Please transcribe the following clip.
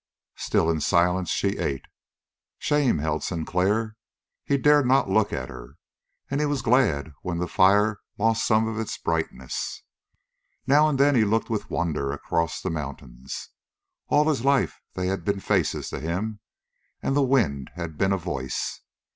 Still in silence she ate. Shame held Sinclair. He dared not look at her, and he was glad when the fire lost some of its brightness. Now and then he looked with wonder across the mountains. All his life they had been faces to him, and the wind had been a voice.